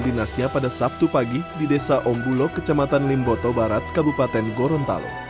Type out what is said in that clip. dinasnya pada sabtu pagi di desa ombulok kecamatan limboto barat kabupaten gorontalo